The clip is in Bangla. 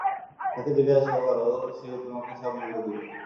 তাকে জিজ্ঞাসা কর, সে তোমাকে সব বলে দিবে।